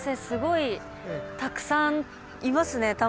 すごいたくさんいますね。